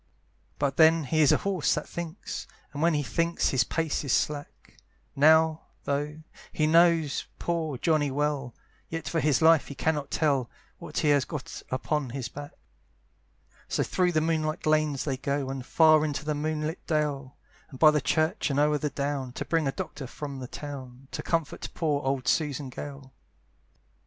But then he is a horse that thinks! And when he thinks his pace is slack; Now, though he knows poor Johnny well, Yet for his life he cannot tell What he has got upon his back. So through the moonlight lanes they go, And far into the moonlight dale, And by the church, and o'er the down, To bring a doctor from the town, To comfort poor old Susan Gale.